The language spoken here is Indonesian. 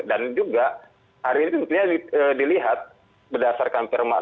dan juga hari ini tentunya dilihat berdasarkan firma nomor tiga tahun dua ribu tujuh belas